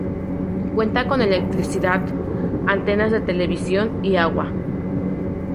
Cuenta con electricidad, antenas de televisión y agua.